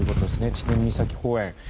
知念岬公園。